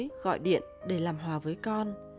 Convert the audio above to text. sau đó chị bối dối gọi điện để làm hòa với con